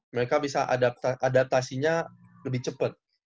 mereka bisa adaptasinya lebih cepat